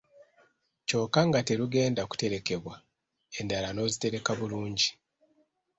Kyokka nga terugenda kuterekebwa, endala n’ozitereka bulungi